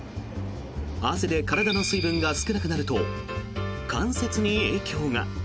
汗で体の水分が少なくなると関節に影響が。